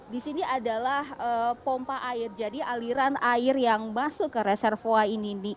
di sini adalah pompa air jadi aliran air yang masuk ke reservoi ini